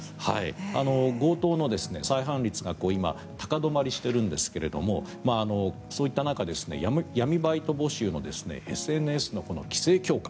強盗の再犯率が今、高止まりしているんですがそういった中、闇バイト募集のＳＮＳの規制強化。